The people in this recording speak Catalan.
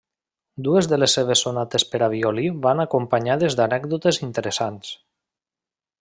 Dues de les seves sonates per a violí van acompanyades d'anècdotes interessants.